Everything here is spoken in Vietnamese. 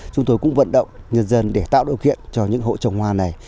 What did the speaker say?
chúng tôi cũng vận động nhân dân để tạo điều kiện cho những hộ trồng hoa này